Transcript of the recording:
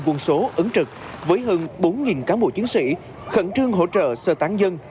một trăm linh quân số ấn trực với hơn bốn cán bộ chiến sĩ khẩn trương hỗ trợ sơ tán dân